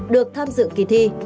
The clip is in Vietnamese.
được tham dự kỳ thi